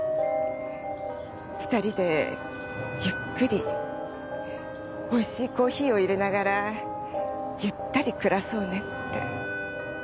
２人でゆっくりおいしいコーヒーをいれながらゆったり暮らそうねって。